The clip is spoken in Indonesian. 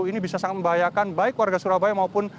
ini bisa sangat membahayakan baik warga surabaya maupun